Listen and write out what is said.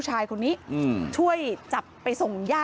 เจ้าแม่น้ำเจ้าแม่น้ำ